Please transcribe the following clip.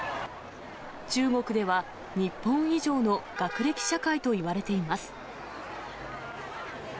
中国では、日本以上の学歴社会といわれています。